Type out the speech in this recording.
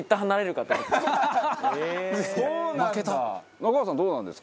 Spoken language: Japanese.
中川さんどうなんですか？